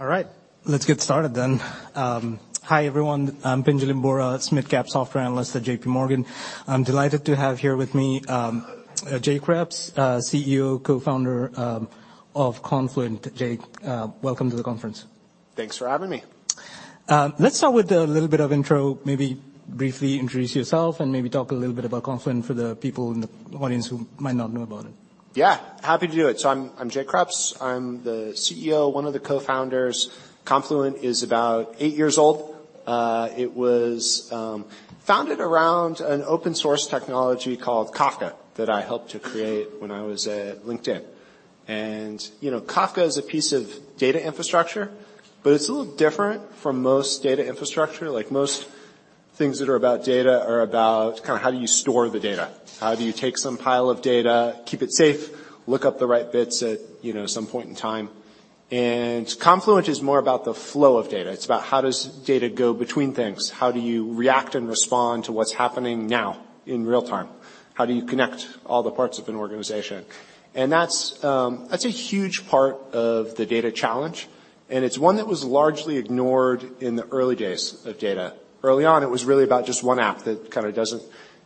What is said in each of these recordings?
All right, let's get started. Hi, everyone. I'm Pinjalim Bora, SMID Cap software analyst at J.P. Morgan. I'm delighted to have here with me, Jay Kreps, CEO, Co-founder of Confluent. Jay, welcome to the conference. Thanks for having me. Let's start with a little bit of intro. Maybe briefly introduce yourself and maybe talk a little bit about Confluent for the people in the audience who might not know about it. I'm Jay Kreps. I'm the CEO, one of the Co-founders. Confluent is about eight years old. It was founded around an open source technology called Kafka that I helped to create when I was at LinkedIn. You know, Kafka is a piece of data infrastructure, but it's a little different from most data infrastructure. Like most things that are about data are about kinda how do you store the data, how do you take some pile of data, keep it safe, look up the right bits at, you know, some point in time. Confluent is more about the flow of data. It's about how does data go between things, how do you react and respond to what's happening now in real-time, how do you connect all the parts of an organization. That's a huge part of the data challenge, and it's one that was largely ignored in the early days of data. Early on, it was really about just one app that kinda doesn't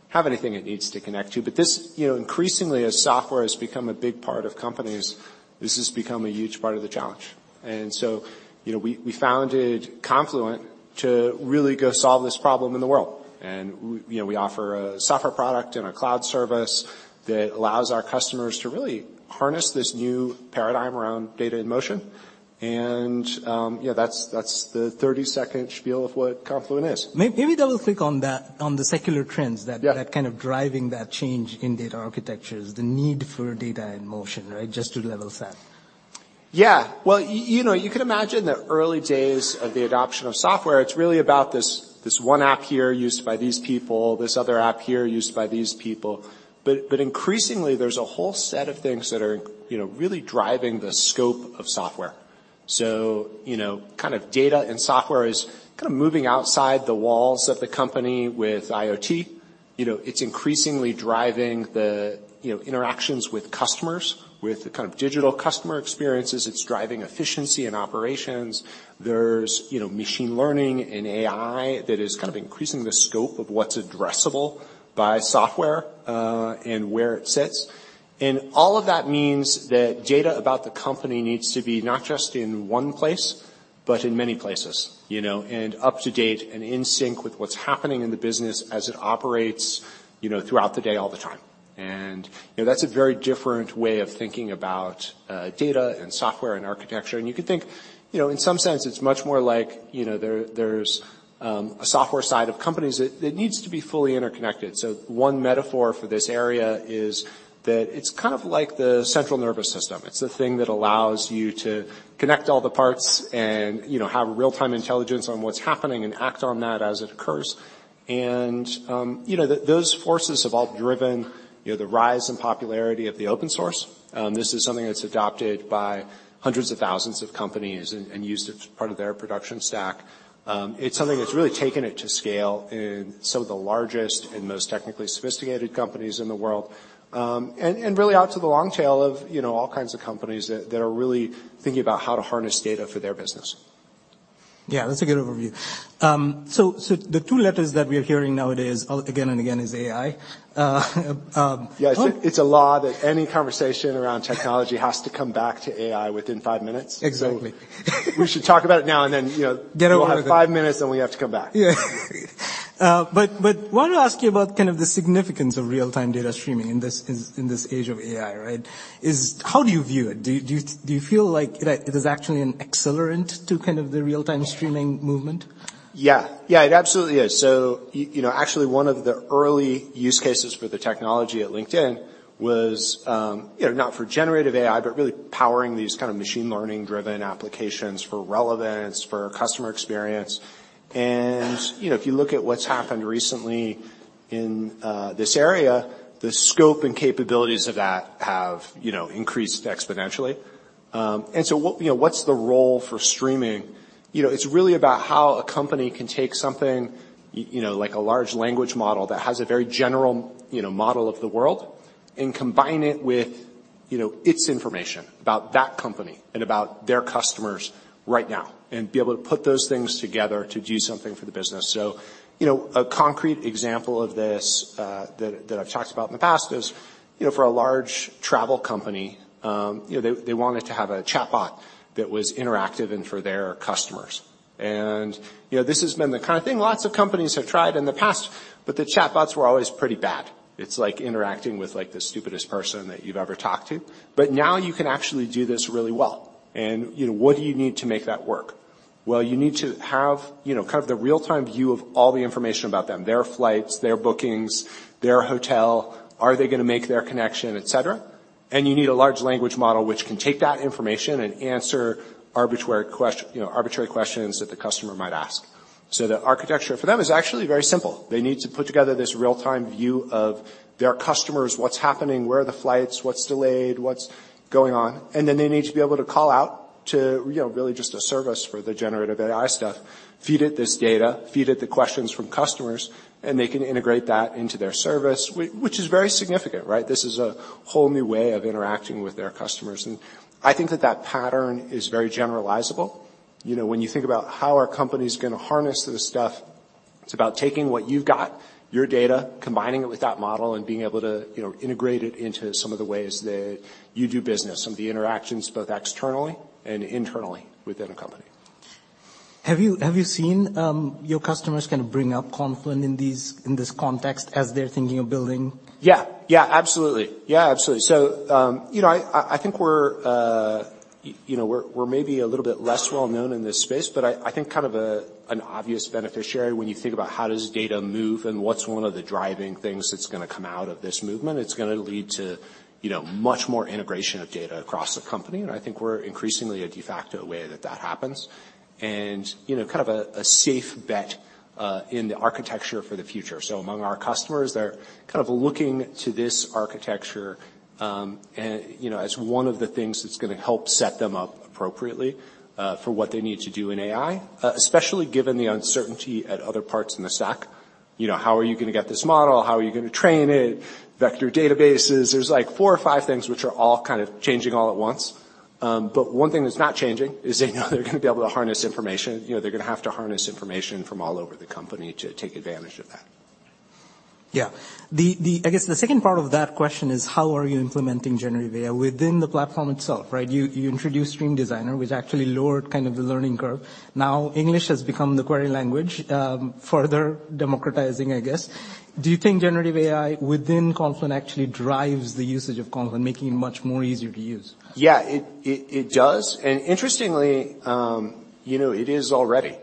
have anything it needs to connect to. This, you know, increasingly as software has become a big part of companies, this has become a huge part of the challenge. You know, we founded Confluent to really go solve this problem in the world. You know, we offer a software product and a cloud service that allows our customers to really harness this new paradigm around data in motion. Yeah, that's the 30-second spiel of what Confluent is. maybe double-click on that, on the secular trends. Yeah... that are kind of driving that change in data architectures, the need for data in motion, right? Just to level set. Well, you know, you can imagine the early days of the adoption of software, it's really about this one app here used by these people, this other app here used by these people. Increasingly there's a whole set of things that are, you know, really driving the scope of software. You know, kind of data and software is kinda moving outside the walls of the company with IoT. You know, it's increasingly driving the, you know, interactions with customers, with the kind of digital customer experiences. It's driving efficiency and operations. There's, you know, machine learning and AI that is kind of increasing the scope of what's addressable by software and where it sits. All of that means that data about the company needs to be not just in one place, but in many places, you know, and up to date and in sync with what's happening in the business as it operates, you know, throughout the day all the time. You know, that's a very different way of thinking about data and software and architecture. You can think, you know, in some sense it's much more like, you know, there's a software side of companies that needs to be fully interconnected. So one metaphor for this area is that it's kind of like the central nervous system. It's the thing that allows you to connect all the parts and, you know, have real-time intelligence on what's happening and act on that as it occurs. You know, those forces have all driven, you know, the rise in popularity of the open source. This is something that's adopted by hundreds of thousands of companies and used as part of their production stack. It's something that's really taken it to scale in some of the largest and most technically sophisticated companies in the world. Really out to the long tail of, you know, all kinds of companies that are really thinking about how to harness data for their business. Yeah, that's a good overview. The two letters that we are hearing nowadays again and again is AI. Yeah. It's a law that any conversation around technology has to come back to AI within five minutes. Exactly. We should talk about it now and then, you know. Get it all out there.... we'll have five minutes, then we have to come back. Yeah. Wanted to ask you about kind of the significance of real-time data streaming in this age of AI, right? How do you view it? Do you feel like it is actually an accelerant to kind of the real-time streaming movement? Yeah. Yeah, it absolutely is. You know, actually one of the early use cases for the technology at LinkedIn was, you know, not for generative AI, but really powering these kind of machine learning driven applications for relevance, for customer experience. You know, if you look at what's happened recently in this area, the scope and capabilities of that have, you know, increased exponentially. You know, what's the role for streaming? You know, it's really about how a company can take something, you know, like a large language model that has a very general, you know, model of the world and combine it with, you know, its information about that company and about their customers right now, and be able to put those things together to do something for the business. You know, a concrete example of this that I've talked about in the past is, you know, for a large travel company, you know, they wanted to have a chatbot that was interactive and for their customers. You know, this has been the kind of thing lots of companies have tried in the past, but the chatbots were always pretty bad. It's like interacting with like the stupidest person that you've ever talked to. Now you can actually do this really well and, you know, what do you need to make that work? You need to have, you know, kind of the real-time view of all the information about them, their flights, their bookings, their hotel, are they gonna make their connection, et cetera. You need a large language model which can take that information and answer you know, arbitrary questions that the customer might ask. The architecture for them is actually very simple. They need to put together this real-time view of their customers, what's happening, where are the flights, what's delayed, what's going on, and then they need to be able to call out to, you know, really just a service for the generative AI stuff, feed it this data, feed it the questions from customers, and they can integrate that into their service, which is very significant, right? This is a whole new way of interacting with their customers, and I think that that pattern is very generalizable. You know, when you think about how are companies gonna harness this stuff. It's about taking what you've got, your data, combining it with that model, and being able to, you know, integrate it into some of the ways that you do business, some of the interactions both externally and internally within a company. Have you, have you seen, your customers kind of bring up Confluent in this context as they're thinking of building? Yeah. Yeah, absolutely. Yeah, absolutely. You know, I, I think we're, you know, we're maybe a little bit less well-known in this space, but I think kind of a, an obvious beneficiary when you think about how does data move and what's one of the driving things that's gonna come out of this movement, it's gonna lead to, you know, much more integration of data across the company. I think we're increasingly a de facto way that that happens. You know, kind of a safe bet, in the architecture for the future. Among our customers, they're kind of looking to this architecture, and, you know, as one of the things that's gonna help set them up appropriately, for what they need to do in AI, especially given the uncertainty at other parts in the stack. You know, how are you gonna get this model? How are you gonna train it? Vector databases. There's like four or five things which are all kind of changing all at once. One thing that's not changing is they know they're gonna be able to harness information. You know, they're gonna have to harness information from all over the company to take advantage of that. Yeah. The, I guess the second part of that question is: how are you implementing generative AI within the platform itself, right? You introduced Stream Designer, which actually lowered kind of the learning curve. Now English has become the query language, further democratizing, I guess. Do you think generative AI within Confluent actually drives the usage of Confluent, making it much more easier to use? Yeah. It, it does. Interestingly, you know, it is already.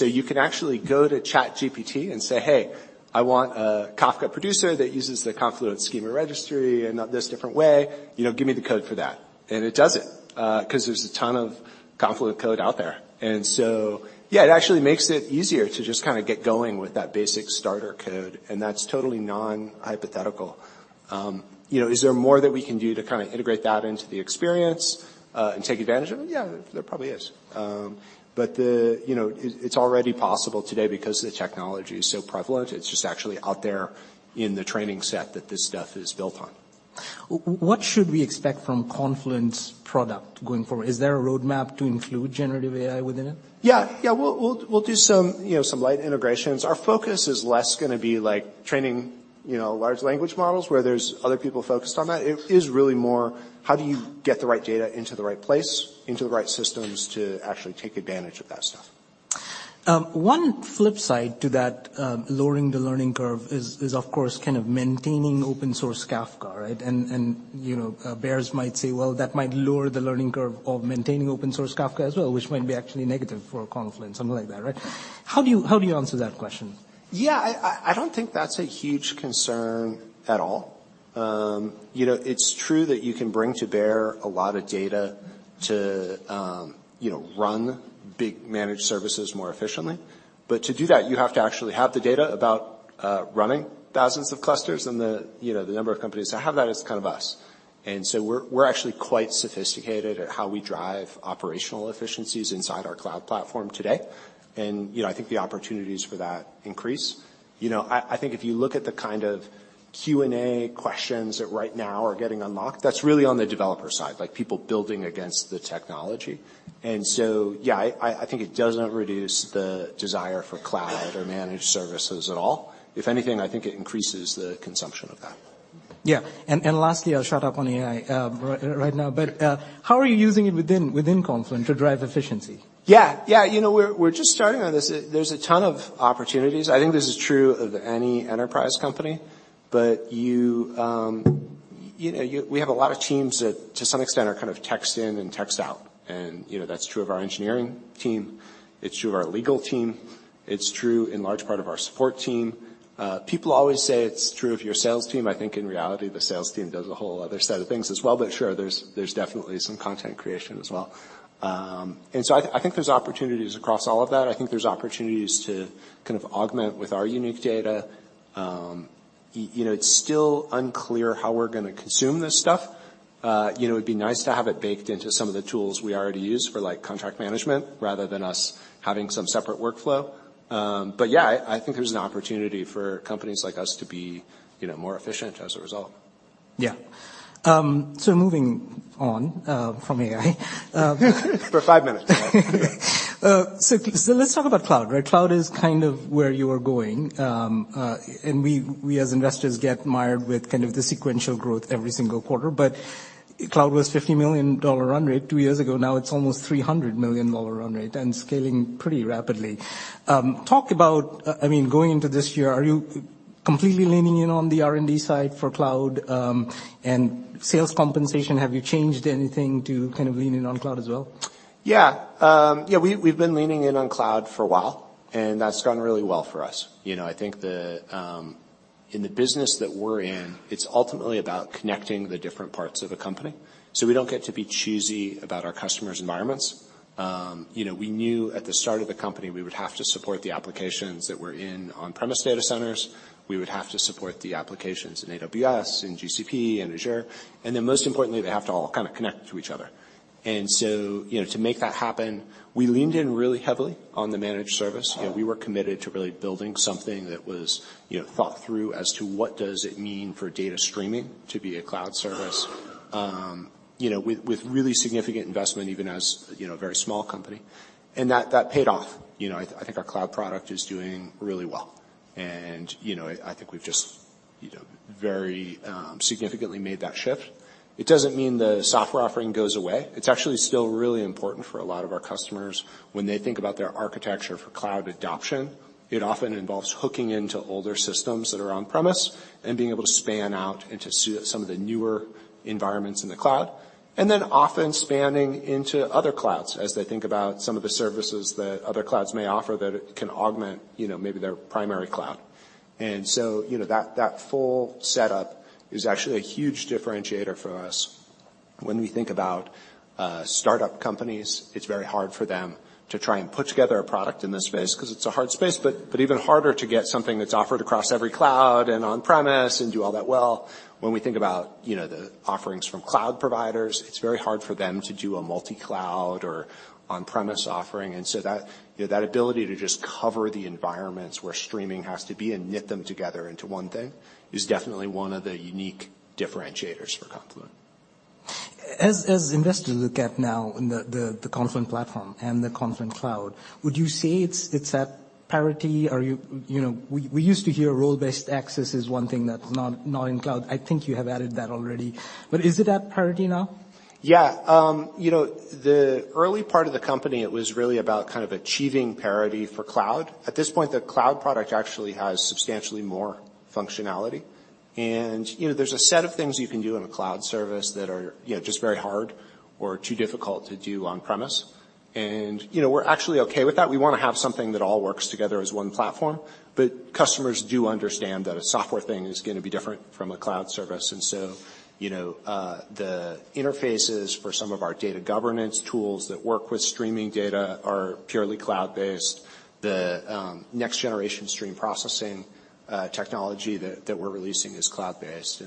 You can actually go to ChatGPT and say, "Hey, I want a Kafka producer that uses the Confluent Schema Registry in this different way. You know, give me the code for that." It does it, 'cause there's a ton of Confluent code out there. Yeah, it actually makes it easier to just kinda get going with that basic starter code, and that's totally non-hypothetical. You know, is there more that we can do to kinda integrate that into the experience and take advantage of it? Yeah, there probably is. You know, it's already possible today because the technology is so prevalent. It's just actually out there in the training set that this stuff is built on. What should we expect from Confluent's product going forward? Is there a roadmap to include generative AI within it? Yeah. Yeah. We'll do some, you know, some light integrations. Our focus is less gonna be like training, you know, large language models where there's other people focused on that. It is really more, how do you get the right data into the right place, into the right systems to actually take advantage of that stuff? One flip side to that, lowering the learning curve is, of course, kind of maintaining open source Kafka, right? You know, bears might say, "Well, that might lower the learning curve of maintaining open source Kafka as well, which might be actually negative for Confluent," something like that, right? How do you answer that question? I don't think that's a huge concern at all. you know, it's true that you can bring to bear a lot of data to, you know, run big managed services more efficiently, but to do that, you have to actually have the data about running thousands of clusters and the, you know, the number of companies that have that is kind of us. We're actually quite sophisticated at how we drive operational efficiencies inside our cloud platform today. You know, I think the opportunities for that increase. You know, I think if you look at the kind of Q&A questions that right now are getting unlocked, that's really on the developer side, like people building against the technology. yeah, I think it doesn't reduce the desire for cloud or managed services at all. If anything, I think it increases the consumption of that. Yeah. Lastly, I'll shut up on AI, right now, but, how are you using it within Confluent to drive efficiency? Yeah. Yeah. You know, we're just starting on this. There's a ton of opportunities. I think this is true of any enterprise company. You, you know, We have a lot of teams that, to some extent, are kind of text in and text out and, you know, that's true of our engineering team, it's true of our legal team, it's true in large part of our support team. People always say it's true of your sales team. I think in reality, the sales team does a whole other set of things as well. Sure, there's definitely some content creation as well. I think there's opportunities across all of that. I think there's opportunities to kind of augment with our unique data. You know, it's still unclear how we're gonna consume this stuff. you know, it'd be nice to have it baked into some of the tools we already use for like contract management rather than us having some separate workflow. yeah, I think there's an opportunity for companies like us to be, you know, more efficient as a result. Yeah. moving on from AI. For five minutes. Let's talk about cloud, right? Cloud is kind of where you are going. We as investors get mired with kind of the sequential growth every single quarter. Cloud was $50 million run rate 2 years ago, now it's almost $300 million run rate and scaling pretty rapidly. Talk about, I mean, going into this year, are you completely leaning in on the R&D side for cloud? Sales compensation, have you changed anything to kind of lean in on cloud as well? Yeah. We've been leaning in on cloud for a while, and that's gone really well for us. You know, I think in the business that we're in, it's ultimately about connecting the different parts of a company, so we don't get to be choosy about our customers' environments. You know, we knew at the start of the company we would have to support the applications that were in on-premise data centers. We would have to support the applications in AWS, in GCP, and Azure, and then most importantly, they have to all kind of connect to each other. You know, to make that happen, we leaned in really heavily on the managed service. You know, we were committed to really building something that was, you know, thought through as to what does it mean for data streaming to be a cloud service. You know, with really significant investment, even as, you know, a very small company, and that paid off. You know, I think our cloud product is doing really well. I think we've just, you know, very significantly made that shift. It doesn't mean the software offering goes away. It's actually still really important for a lot of our customers when they think about their architecture for cloud adoption. It often involves hooking into older systems that are on-premise and being able to span out into some of the newer environments in the cloud, and then often spanning into other clouds as they think about some of the services that other clouds may offer that can augment, you know, maybe their primary cloud. You know, that full setup is actually a huge differentiator for us. When we think about startup companies, it's very hard for them to try and put together a product in this space 'cause it's a hard space, but even harder to get something that's offered across every cloud and on-premise and do all that well. When we think about, you know, the offerings from cloud providers, it's very hard for them to do a multi-cloud or on-premise offering. So that, you know, that ability to just cover the environments where streaming has to be and knit them together into one thing is definitely one of the unique differentiators for Confluent. As investors look at now the Confluent Platform and the Confluent Cloud, would you say it's at parity? You know, we used to hear role-based access is one thing that's not in cloud. I think you have added that already, but is it at parity now? You know, the early part of the company, it was really about kind of achieving parity for cloud. At this point, the cloud product actually has substantially more functionality. You know, there's a set of things you can do in a cloud service that are, you know, just very hard or too difficult to do on-premise. You know, we're actually okay with that. We wanna have something that all works together as one platform. Customers do understand that a software thing is gonna be different from a cloud service. You know, the interfaces for some of our data governance tools that work with streaming data are purely cloud-based. The next generation stream processing technology that we're releasing is cloud-based.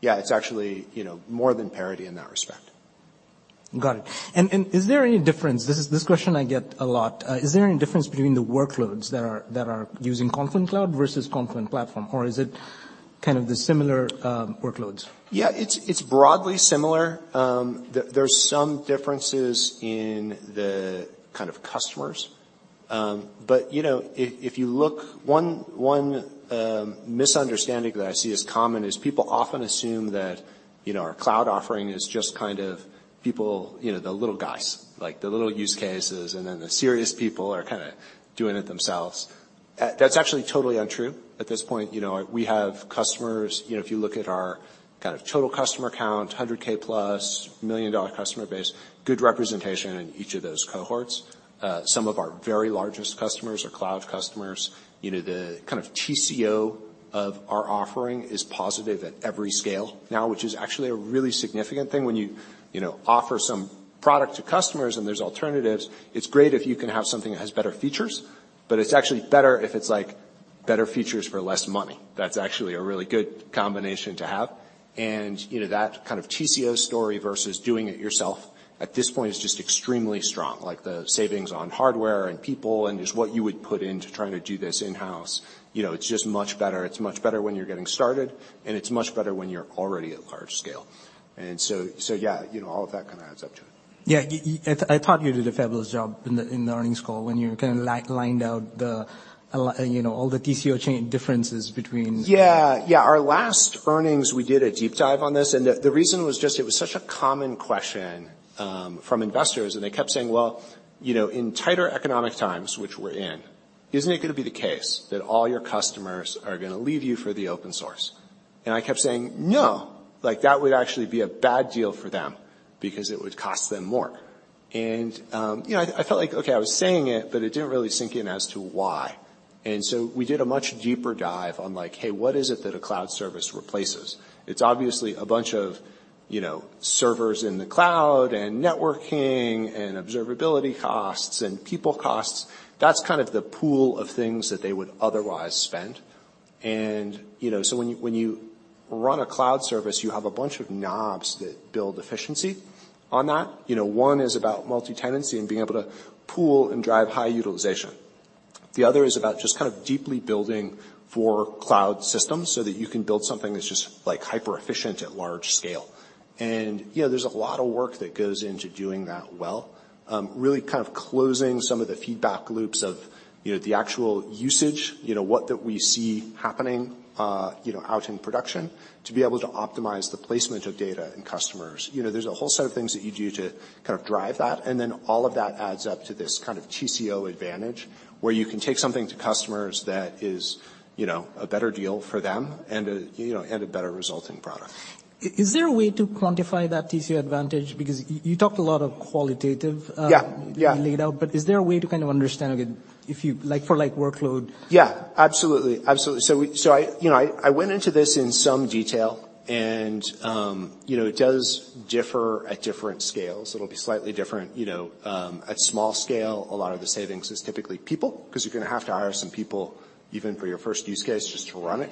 Yeah, it's actually, you know, more than parity in that respect. Got it. Is there any difference? This question I get a lot. Is there any difference between the workloads that are using Confluent Cloud versus Confluent Platform, or is it kind of the similar workloads? Yeah, it's broadly similar. There's some differences in the kind of customers. You know, if you look one misunderstanding that I see as common is people often assume that, you know, our cloud offering is just kind of people, you know, the little guys, like, the little use cases, and then the serious people are kinda doing it themselves. That's actually totally untrue. At this point, you know, we have customers, you know, if you look at our kind of total customer count, 100K+, $1 million-dollar customer base, good representation in each of those cohorts. Some of our very largest customers are cloud customers. You know, the kind of TCO of our offering is positive at every scale now, which is actually a really significant thing when you know, offer some product to customers and there's alternatives, it's great if you can have something that has better features, but it's actually better if it's, like, better features for less money. That's actually a really good combination to have. You know, that kind of TCO story versus doing it yourself at this point is just extremely strong. Like, the savings on hardware and people and just what you would put into trying to do this in-house, you know, it's just much better. It's much better when you're getting started, and it's much better when you're already at large scale. Yeah, you know, all of that kinda adds up to it. Yeah. I thought you did a fabulous job in the earnings call when you kinda lined out the, you know, all the TCO chain differences between... Yeah. Yeah. Our last earnings, we did a deep dive on this, and the reason was just it was such a common question from investors, and they kept saying, "Well, you know, in tighter economic times, which we're in, isn't it gonna be the case that all your customers are gonna leave you for the open source?" I kept saying, "No. Like, that would actually be a bad deal for them because it would cost them more." You know, I felt like, okay, I was saying it, but it didn't really sink in as to why. So we did a much deeper dive on, like, "Hey, what is it that a cloud service replaces?" It's obviously a bunch of, you know, servers in the cloud and networking and observability costs and people costs. That's kind of the pool of things that they would otherwise spend. When you, when you run a cloud service, you have a bunch of knobs that build efficiency on that. You know, one is about multi-tenancy and being able to pool and drive high utilization. The other is about just kind of deeply building for cloud systems so that you can build something that's just, like, hyper-efficient at large scale. There's a lot of work that goes into doing that well, really kind of closing some of the feedback loops of, you know, the actual usage, you know, what that we see happening, you know, out in production to be able to optimize the placement of data and customers. You know, there's a whole set of things that you do to kind of drive that, and then all of that adds up to this kind of TCO advantage, where you can take something to customers that is, you know, a better deal for them and a, you know, and a better resulting product. Is there a way to quantify that TCO advantage? You talked a lot of qualitative. Yeah. Yeah. ...laid out, but is there a way to kind of understand, again, like, for, like, workload? Yeah, absolutely. Absolutely. I, you know, I went into this in some detail and, you know, it does differ at different scales. It'll be slightly different, you know, at small scale, a lot of the savings is typically people, 'cause you're gonna have to hire some people even for your first use case just to run it.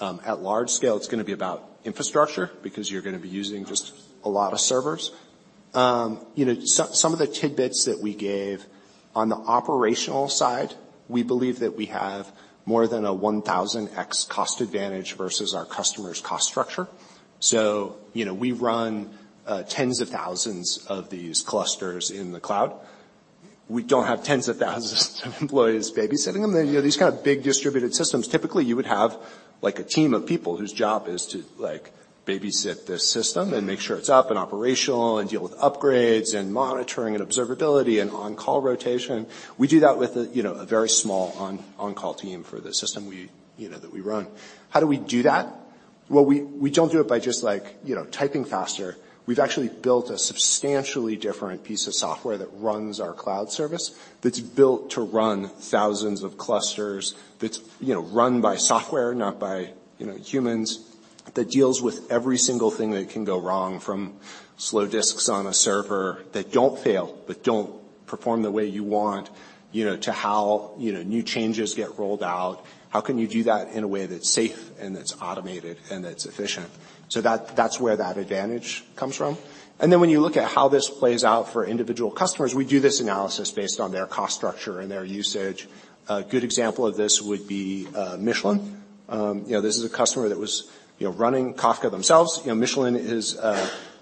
At large scale, it's gonna be about infrastructure because you're gonna be using just a lot of servers. You know, some of the tidbits that we gave on the operational side, we believe that we have more than a 1,000x cost advantage versus our customers' cost structure. You know, we run, tens of thousands of these clusters in the cloud. We don't have tens of thousands of employees babysitting them. You know, these kind of big distributed systems, typically you would have like a team of people whose job is to, like, babysit the system and make sure it's up and operational and deal with upgrades and monitoring and observability and on-call rotation. We do that with a, you know, a very small on-call team for the system we, you know, that we run. How do we do that? Well, we don't do it by just, like, you know, typing faster. We've actually built a substantially different piece of software that runs our cloud service that's built to run thousands of clusters that's, you know, run by software, not by, you know, humans. That deals with every single thing that can go wrong from slow disks on a server that don't fail, but don't perform the way you want, you know, to how, you know, new changes get rolled out. How can you do that in a way that's safe and that's automated and that's efficient? That, that's where that advantage comes from. When you look at how this plays out for individual customers, we do this analysis based on their cost structure and their usage. A good example of this would be, Michelin. You know, this is a customer that was, you know, running Kafka themselves. You know, Michelin is,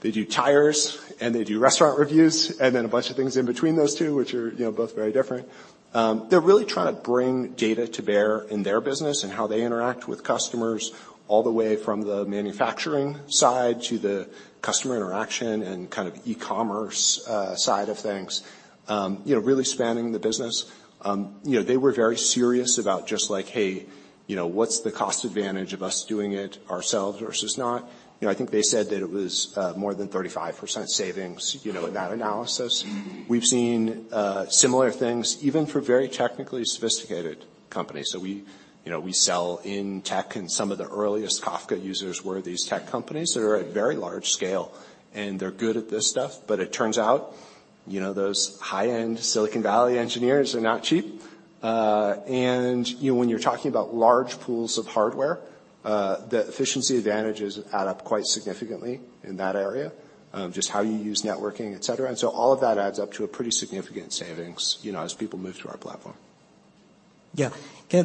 they do tires and they do restaurant reviews, and then a bunch of things in between those two, which are, you know, both very different. They're really trying to bring data to bear in their business and how they interact with customers all the way from the manufacturing side to the customer interaction and kind of e-commerce side of things. You know, really spanning the business. You know, they were very serious about just like, "Hey, you know, what's the cost advantage of us doing it ourselves versus not?" You know, I think they said that it was more than 35% savings, you know, in that analysis. Mm-hmm. We've seen similar things even for very technically sophisticated companies. We, you know, we sell in tech, and some of the earliest Kafka users were these tech companies that are at very large scale, and they're good at this stuff. It turns out, you know, those high-end Silicon Valley engineers are not cheap. You know, when you're talking about large pools of hardware, the efficiency advantages add up quite significantly in that area of just how you use networking, et cetera. All of that adds up to a pretty significant savings, you know, as people move to our platform. Yeah.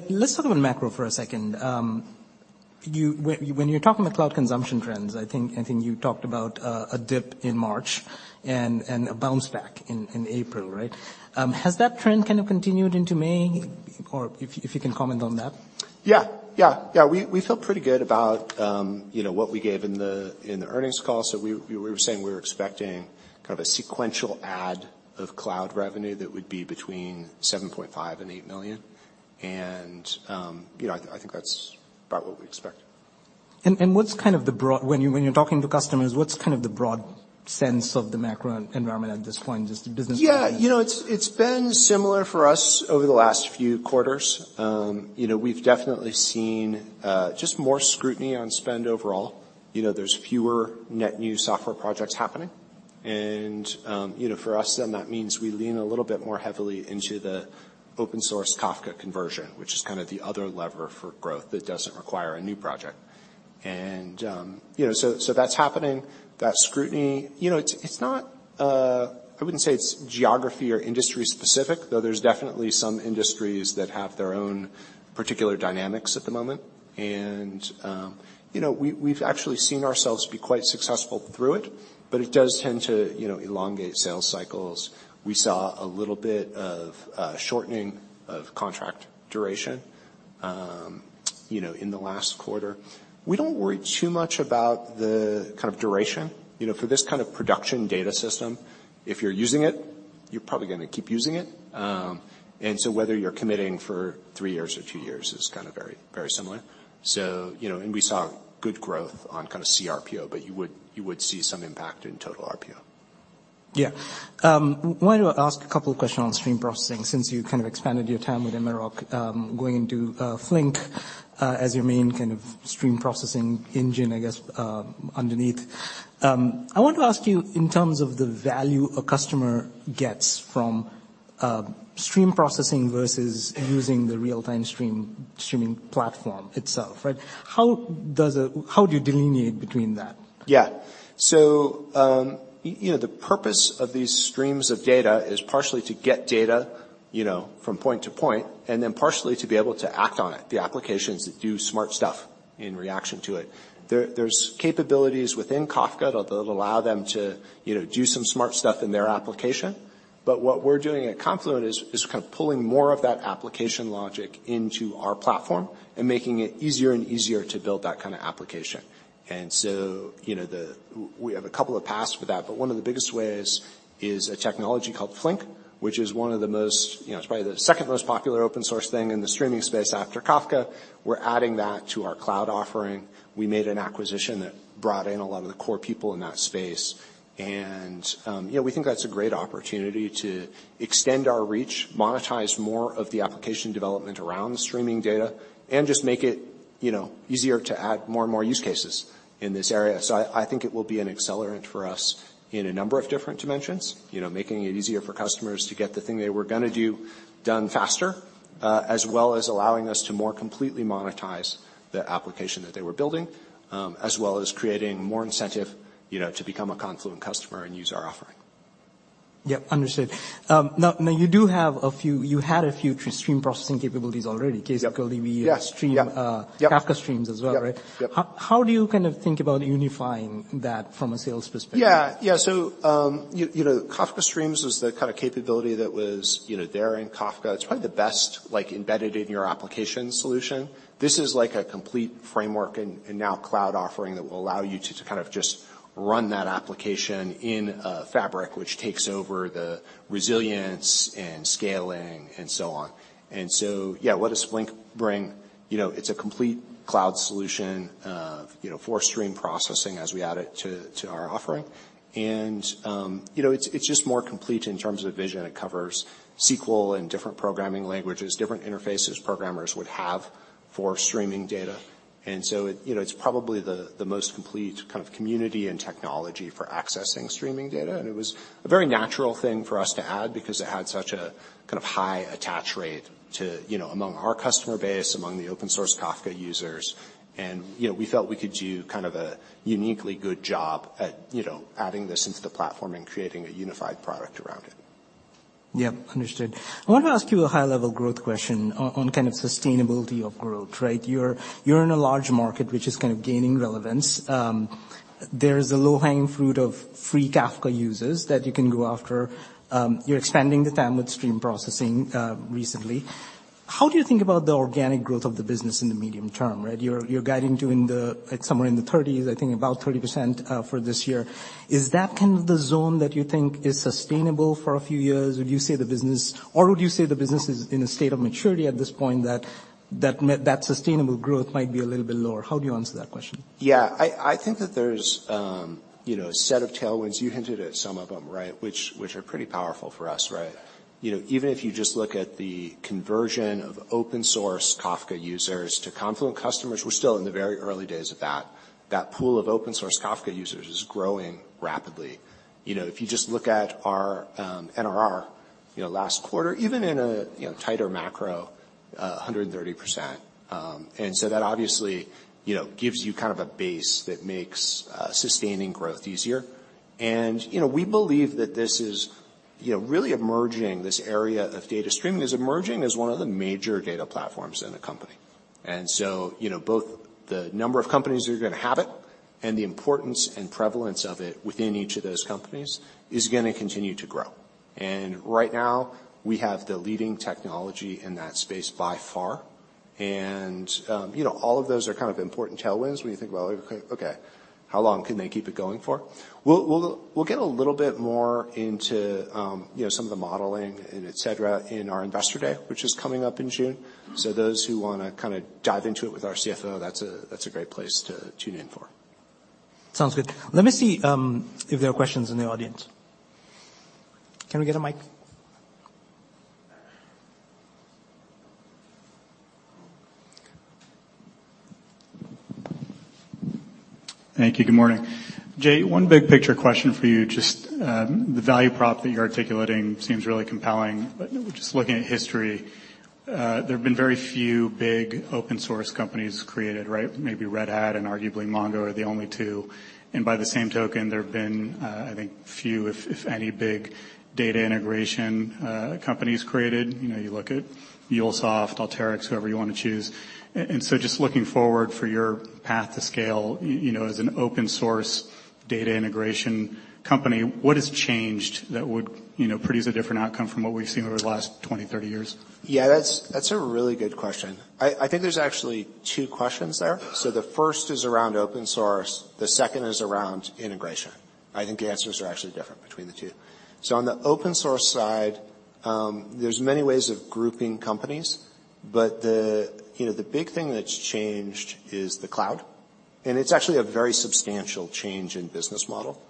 Let's talk about macro for a second. When you're talking about cloud consumption trends, I think you talked about a dip in March and a bounce back in April, right? Has that trend kind of continued into May? Or if you can comment on that. Yeah. Yeah. Yeah. We feel pretty good about, you know, what we gave in the earnings call. We were saying we were expecting kind of a sequential add of cloud revenue that would be between $7.5 million and $8 million. You know, I think that's about what we expected. When you're talking to customers, what's kind of the broad sense of the macro environment at this point? Yeah. You know, it's been similar for us over the last few quarters. You know, we've definitely seen just more scrutiny on spend overall. You know, there's fewer net new software projects happening. You know, for us then that means we lean a little bit more heavily into the open source Kafka conversion, which is kind of the other lever for growth that doesn't require a new project. You know, so that's happening. That scrutiny. You know, it's not, I wouldn't say it's geography or industry specific, though there's definitely some industries that have their own particular dynamics at the moment. You know, we've actually seen ourselves be quite successful through it, but it does tend to, you know, elongate sales cycles. We saw a little bit of shortening of contract duration, you know, in the last quarter. We don't worry too much about the kind of duration, you know, for this kind of production data system. If you're using it, you're probably gonna keep using it. Whether you're committing for 3 years or 2 years is kinda very, very similar. You know, and we saw good growth on kinda CRPO, but you would see some impact in total RPO. Yeah. Want to ask a couple of questions on stream processing since you kind of expanded your time with Immerok, going into Flink as your main kind of stream processing engine, I guess, underneath. I want to ask you in terms of the value a customer gets from stream processing versus using the real-time stream, streaming platform itself, right? How do you delineate between that? You know, the purpose of these streams of data is partially to get data, you know, from point to point, and then partially to be able to act on it, the applications that do smart stuff in reaction to it. There's capabilities within Kafka that'll allow them to, you know, do some smart stuff in their application. What we're doing at Confluent is kind of pulling more of that application logic into our platform and making it easier and easier to build that kind of application. You know, we have a couple of paths for that, but one of the biggest ways is a technology called Flink, which is one of the most, you know, it's probably the second most popular open source thing in the streaming space after Kafka. We're adding that to our cloud offering. We made an acquisition that brought in a lot of the core people in that space. You know, we think that's a great opportunity to extend our reach, monetize more of the application development around the streaming data, and just make it, you know, easier to add more and more use cases in this area. I think it will be an accelerant for us in a number of different dimensions, you know, making it easier for customers to get the thing they were gonna do done faster, as well as allowing us to more completely monetize the application that they were building, as well as creating more incentive, you know, to become a Confluent customer and use our offering. Yeah. Understood. now you do have a few... You had a few stream processing capabilities already. Yep. ksqlDB Yeah.Yep. Kafka Streams as well, right? Yep, yep. How do you kind of think about unifying that from a sales perspective? Yeah. Yeah. You know, Kafka Streams was the kind of capability that was, you know, there in Kafka. It's probably the best, like, embedded in your application solution. This is like a complete framework and now cloud offering that will allow you to kind of just run that application in a fabric which takes over the resilience and scaling and so on. Yeah, what does Flink bring? You know, it's a complete cloud solution, you know, for stream processing as we add it to our offering. You know, it's just more complete in terms of vision. It covers SQL and different programming languages, different interfaces programmers would have for streaming data. It. You know, it's probably the most complete kind of community and technology for accessing streaming data. It was a very natural thing for us to add because it had such a kind of high attach rate to, you know, among our customer base, among the open source Kafka users. You know, we felt we could do kind of a uniquely good job at, you know, adding this into the platform and creating a unified product around it. Yep. Understood. I want to ask you a high-level growth question on kind of sustainability of growth, right? You're in a large market which is kind of gaining relevance. There is a low-hanging fruit of free Kafka users that you can go after. You're expanding the TAM with stream processing recently. How do you think about the organic growth of the business in the medium term, right? You're guiding to at somewhere in the thirties, I think about 30%, for this year. Is that kind of the zone that you think is sustainable for a few years? Would you say the business is in a state of maturity at this point that sustainable growth might be a little bit lower? How do you answer that question? Yeah. I think that there's, you know, a set of tailwinds. You hinted at some of them, right? Which are pretty powerful for us, right? You know, even if you just look at the conversion of open source Kafka users to Confluent customers, we're still in the very early days of that. That pool of open source Kafka users is growing rapidly. You know, if you just look at our NRR, you know, last quarter, even in a, you know, tighter macro, 130%. That obviously, you know, gives you kind of a base that makes sustaining growth easier. You know, we believe that this is, you know, really emerging. This area of data streaming is emerging as one of the major data platforms in a company. You know, both the number of companies that are gonna have it and the importance and prevalence of it within each of those companies is gonna continue to grow. Right now, we have the leading technology in that space by far. You know, all of those are kind of important tailwinds when you think about, "Okay, how long can they keep it going for?" We'll get a little bit more into, you know, some of the modeling and et cetera in our investor day, which is coming up in June. Those who wanna kinda dive into it with our CFO, that's a, that's a great place to tune in for. Sounds good. Let me see, if there are questions in the audience. Can we get a mic? Thank you. Good morning. Jay, one big picture question for you. Just the value prop that you're articulating seems really compelling. Just looking at history, there have been very few big open source companies created, right? Maybe Red Hat and arguably MongoDB are the only two. By the same token, there have been, I think few, if any, big data integration companies created. You know, you look at MuleSoft, Alteryx, whoever you wanna choose. Just looking forward for your path to scale, you know, as an open source data integration company, what has changed that would, you know, produce a different outcome from what we've seen over the last 20, 30 years? Yeah, that's a really good question. I think there's actually two questions there. The first is around open source, the second is around integration. I think the answers are actually different between the two. On the open source side, you know, the big thing that's changed is the cloud, and it's actually a very substantial change in business model.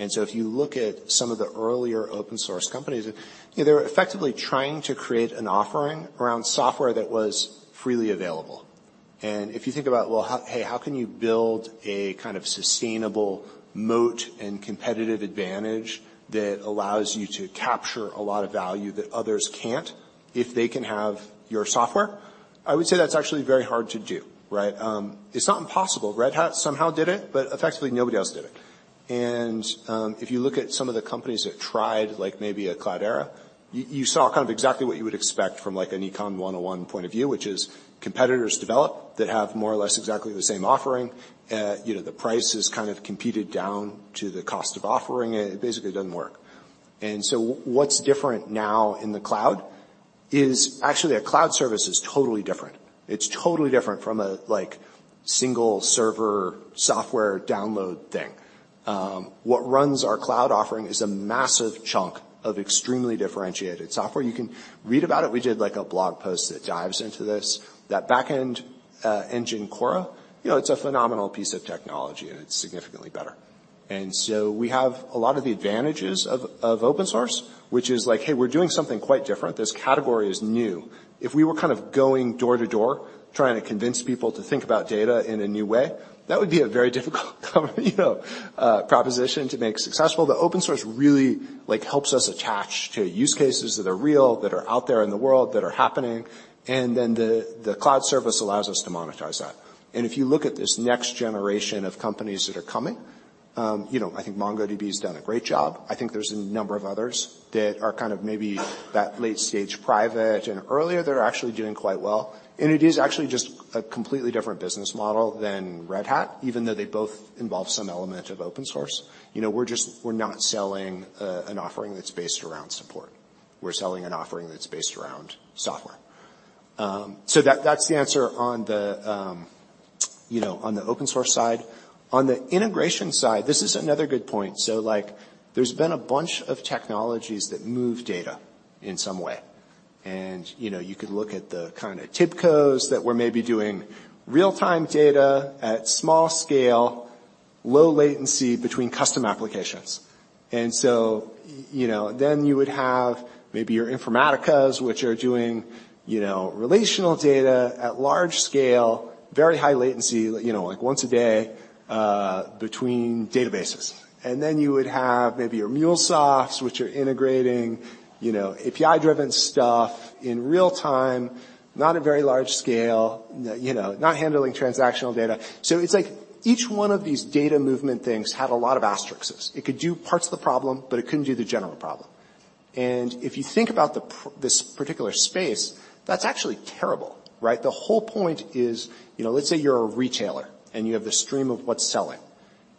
If you look at some of the earlier open source companies, you know, they were effectively trying to create an offering around software that was freely available. If you think about, hey, how can you build a kind of sustainable moat and competitive advantage that allows you to capture a lot of value that others can't if they can have your software? I would say that's actually very hard to do, right? It's not impossible. Red Hat somehow did it, but effectively nobody else did it. If you look at some of the companies that tried, like maybe a Cloudera, you saw kind of exactly what you would expect from like an Econ 101 point of view, which is competitors develop that have more or less exactly the same offering. You know, the price is kind of competed down to the cost of offering it. It basically doesn't work. What's different now in the cloud is actually a cloud service is totally different. It's totally different from a, like, single server software download thing. What runs our cloud offering is a massive chunk of extremely differentiated software. You can read about it. We did like a blog post that dives into this. That back-end engine Kora, you know, it's a phenomenal piece of technology, and it's significantly better. We have a lot of the advantages of open source, which is like, hey, we're doing something quite different. This category is new. If we were kind of going door to door trying to convince people to think about data in a new way, that would be a very difficult, you know, proposition to make successful. Open source really, like, helps us attach to use cases that are real, that are out there in the world, that are happening, and then the cloud service allows us to monetize that. If you look at this next generation of companies that are coming, you know, I think MongoDB has done a great job. I think there's a number of others that are kind of maybe that late stage private and earlier, they're actually doing quite well. It is actually just a completely different business model than Red Hat, even though they both involve some element of open source. You know, we're not selling an offering that's based around support. We're selling an offering that's based around software. That, that's the answer on the, you know, on the open source side. On the integration side, this is another good point. Like, there's been a bunch of technologies that move data in some way. You know, you could look at the kinda TIBCOs that were maybe doing real-time data at small scale, low latency between custom applications. You know, then you would have maybe your Informaticas, which are doing, you know, relational data at large scale, very high latency, you know, like once a day, between databases. Then you would have maybe your MuleSofts, which are integrating, you know, API-driven stuff in real time, not a very large scale, you know, not handling transactional data. It's like each one of these data movement things had a lot of asterisks. It could do parts of the problem, but it couldn't do the general problem. If you think about this particular space, that's actually terrible, right? The whole point is, you know, let's say you're a retailer, and you have the stream of what's selling.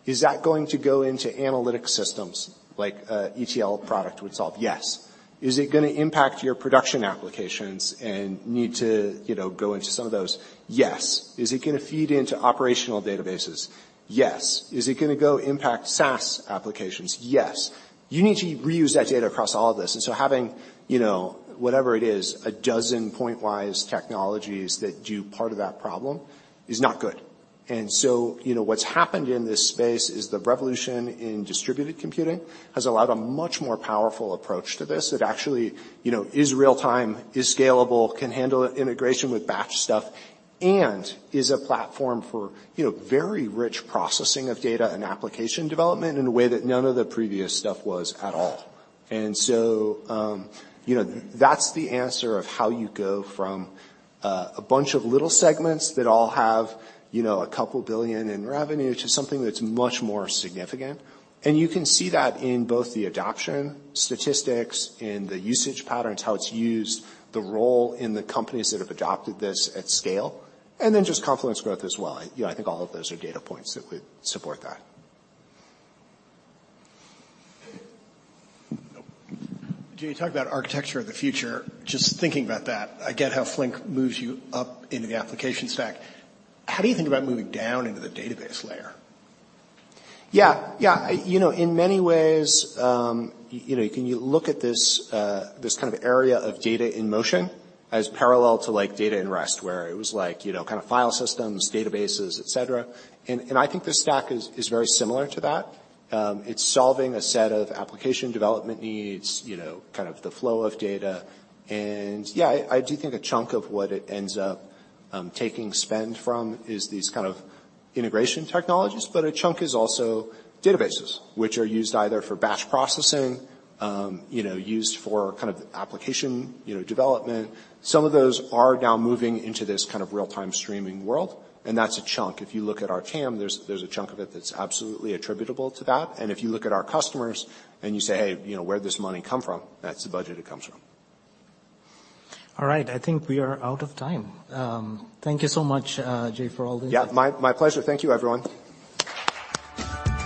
Is that going to go into analytic systems like, ETL product would solve? Yes. Is it gonna impact your production applications and need to, you know, go into some of those? Yes. Is it gonna feed into operational databases? Yes. Is it gonna go impact SaaS applications? Yes. You need to reuse that data across all of this. Having, you know, whatever it is, a dozen pointwise technologies that do part of that problem is not good. You know, what's happened in this space is the revolution in distributed computing has allowed a much more powerful approach to this that actually, you know, is real-time, is scalable, can handle integration with batch stuff, and is a platform for, you know, very rich processing of data and application development in a way that none of the previous stuff was at all. You know, that's the answer of how you go from a bunch of little segments that all have, you know, $2 billion in revenue to something that's much more significant. You can see that in both the adoption statistics, in the usage patterns, how it's used, the role in the companies that have adopted this at scale, and then just Confluent growth as well. You know, I think all of those are data points that would support that. Jay, you talk about architecture of the future. Just thinking about that, I get how Flink moves you up into the application stack. How do you think about moving down into the database layer? Yeah. You know, in many ways, you know, can you look at this kind of area of data in motion as parallel to, like, data in rest. Where it was like, you know, kinda file systems, databases, et cetera. I think this stack is very similar to that. It's solving a set of application development needs, you know, kind of the flow of data. Yeah, I do think a chunk of what it ends up taking spend from is these kind of integration technologies. A chunk is also databases, which are used either for batch processing, you know, used for kind of application, you know, development. Some of those are now moving into this kind of real-time streaming world, and that's a chunk. If you look at our TAM, there's a chunk of it that's absolutely attributable to that. If you look at our customers and you say, "Hey, you know, where'd this money come from?" That's the budget it comes from. All right. I think we are out of time. Thank you so much, Jay, for all this. Yeah. My, my pleasure. Thank you, everyone.